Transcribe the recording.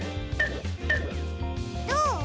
どう？